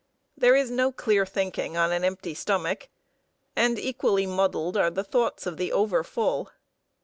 There is no clear thinking on an empty stomach, and equally muddled are the thoughts of the over full.